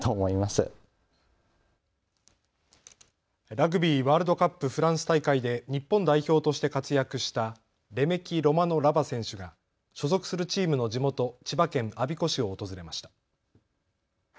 ラグビーワールドカップフランス大会で日本代表として活躍したレメキロマノラヴァ選手が所属するチームの地元、千葉県我孫子市を訪れました。